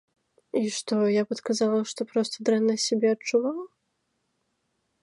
І што, я б адказала, што проста дрэнна сябе адчувала?